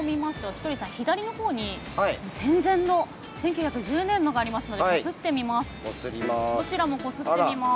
ひとりさん左の方に戦前の１９１０年がありますのでこすってみます。